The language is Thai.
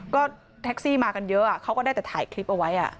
ก็แท็กซี่มากันเยอะเขาก็ได้แต่ถ่ายคลิปเอาไว้